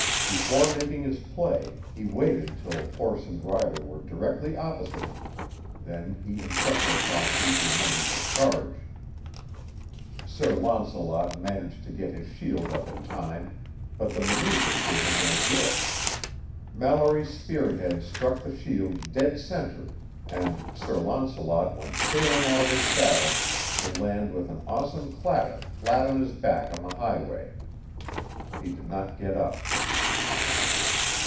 Before making his play, he waited till horse and rider were directly opposite him; then he encephalopathed Easy Money to charge. "Sir Launcelot" managed to get his shield up in time, but the maneuver did him no good. Mallory's spearhead struck the shield dead center, and "Sir Launcelot" went sailing out of his saddle to land with an awesome clatter flat on his back on the highway. He did not get up.